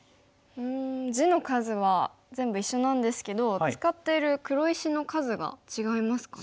うん地の数は全部一緒なんですけど使ってる黒石の数が違いますかね。